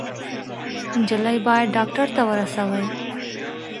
_نجلۍ بايد ډاکټر ته ورسوئ!